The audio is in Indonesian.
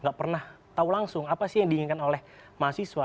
gak pernah tahu langsung apa sih yang diinginkan oleh mahasiswa